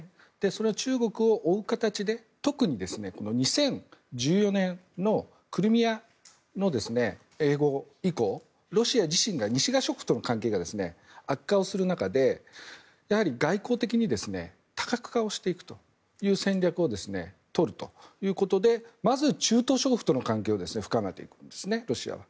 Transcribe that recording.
それは中国を追う形で特に２０１４年のクリミアの併合以降ロシア自身が西側諸国との関係が悪化する中でやはり外交的に多角化をしていくという戦略を取るということでまず中東諸国との関係を深めていくんですね、ロシアは。